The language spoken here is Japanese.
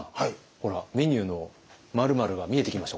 ほらメニューの「〇〇」が見えてきました？